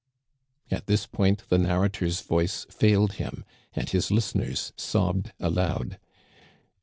At this point the narrator's voice failed him, and his listeners sobbed aloud.